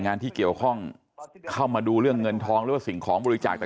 งานที่เกี่ยวข้องเข้ามาดูเรื่องเงินทองหรือว่าสิ่งของบริจาคต่าง